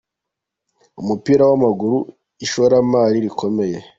Umupira w’amaguru, ishoramari rikomeye